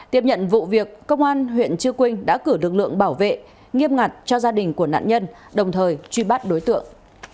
tiếp nhận vụ việc công an huyện chư quynh đã cử lực lượng bảo vệ nghiêm ngặt cho gia đình của nạn nhân đồng thời truy bắt đối tượng